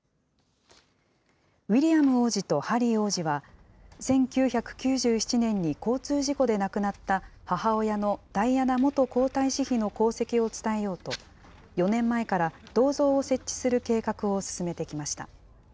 ウィリアム王子とハリー王子は、１９９７年に交通事故で亡くなった母親のダイアナ元皇太子妃の功績を伝えようと、４年前から銅像を設置する計画を進めてきました。